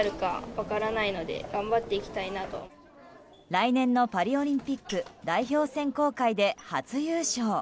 来年のパリオリンピック代表選考会で初優勝。